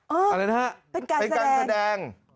เออเป็นการแสดง